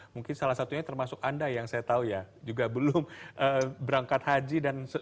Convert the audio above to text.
mungkin salah satunya termasuk anda yang saya tahu ya juga belum berangkat haji dan masih dalam antrian begitu